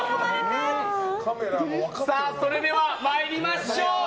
それでは、参りましょう。